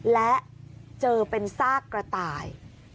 และเจอเป็นซากกระต่าย